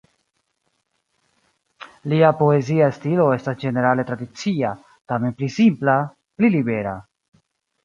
Lia poezia stilo estas ĝenerale tradicia, tamen pli simpla, pli libera.